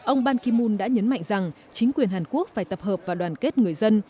ông ban kim mun đã nhấn mạnh rằng chính quyền hàn quốc phải tập hợp và đoàn kết người dân